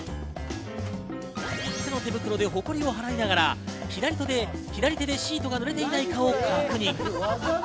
右手の手袋でホコリを払いながら左手でシートが濡れていないかを確認。